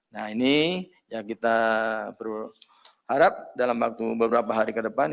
nah ini yang kita berharap dalam waktu beberapa hari ke depan